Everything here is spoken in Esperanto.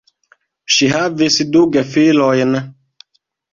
Ŝi havis du gefilojn.